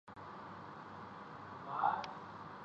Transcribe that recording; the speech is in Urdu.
افسوس سب کچھ مل کے کچھ بھی ناں ملا